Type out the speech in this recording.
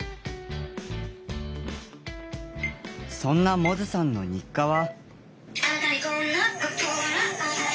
そんな百舌さんの日課は。